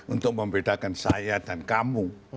untuk membedakan saya dan kamu